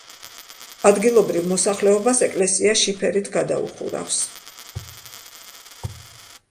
ადგილობრივ მოსახლეობას ეკლესია შიფერით გადაუხურავს.